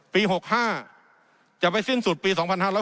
ปี๖๕จะไปสิ้นสุดปี๒๕๖๐